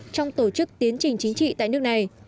trong tổ chức tiến trình chính trị tại nước này